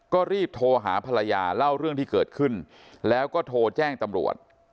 ก็รีบโทรหาภรรยาเล่าเรื่องที่เกิดขึ้นแล้วก็โทรแจ้งตำรวจ